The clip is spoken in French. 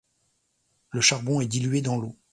Le charbon est dilué dans l'eau.